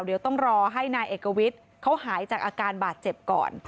เดี๋ยวต้องรอให้นายเอกวิทย์เขาหายจากอาการบาดเจ็บก่อน